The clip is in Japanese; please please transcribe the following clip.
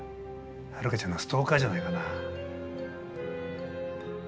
ハルカちゃんのストーカーじゃないかなぁ。